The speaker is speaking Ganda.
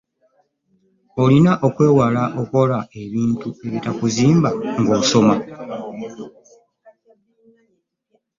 Olina okwewala okukola ebintu ebitakuzimba ng'osoma.